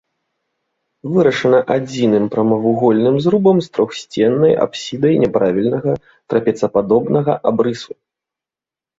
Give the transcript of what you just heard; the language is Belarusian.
Вырашана адзіным прамавугольным зрубам з трохсценнай апсідай няправільнага трапецападобнага абрысу.